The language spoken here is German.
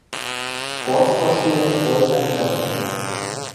Ortsvorsteher ist Wolfgang Erwin.